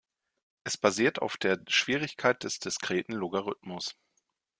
Es basiert auf der Schwierigkeit des diskreten Logarithmus.